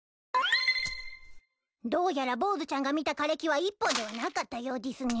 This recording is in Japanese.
どうやらボーズちゃんが見た枯れ木は１本ではなかったようでぃすね。